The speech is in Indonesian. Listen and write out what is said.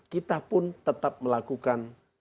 kita pun tetap melakukan